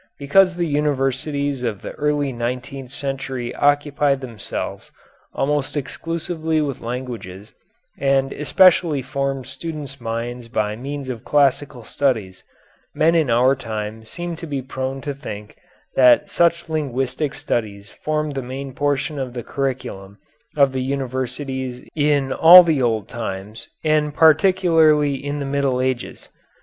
Because the universities of the early nineteenth century occupied themselves almost exclusively with languages and especially formed students' minds by means of classical studies, men in our time seem to be prone to think that such linguistic studies formed the main portion of the curriculum of the universities in all the old times and particularly in the Middle Ages.